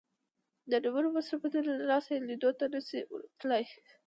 د ډېرو مصروفيتونو له لاسه يې ليدو ته نه شي ورتلای.